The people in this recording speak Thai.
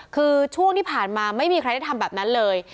คือช่วงที่ผ่านมาไม่มีใครได้ทำแบบนั้นเลย